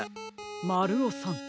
まるおさん。